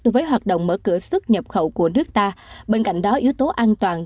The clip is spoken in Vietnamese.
đối với hoạt động mở cửa sức nhập khẩu của nước ta bên cạnh đó yếu tố an toàn